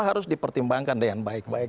harus dipertimbangkan dengan baik baik